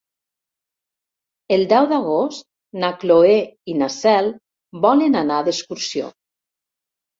El deu d'agost na Cloè i na Cel volen anar d'excursió.